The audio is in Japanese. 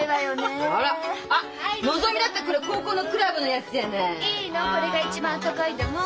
あらあっのぞみだってこれ高校のクラブのやつじゃない！いいの。